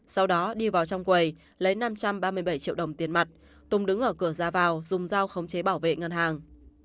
sau đó đi vào trong quầy lấy năm trăm ba mươi bảy triệu đồng tiền mặt tùng đứng ở cửa ra vào dùng dao khống chế bảo vệ ngân hàng